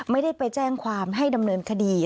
ไม่ได้ไปแจ้งความให้ดำเนินคดี